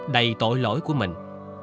đầy tội lỗi của mình